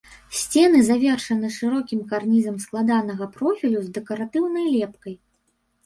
Сцены завершаны шырокім карнізам складанага профілю з дэкаратыўнай лепкай.